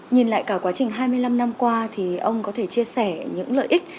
nhìn lại cả quá trình hai mươi năm năm qua thì ông có thể chia sẻ những lợi ích